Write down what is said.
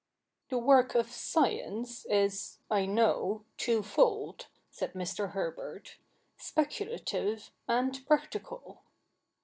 ' The work of science is, I know, twofold,' said Mr. Herbert, ' speculative and practical.'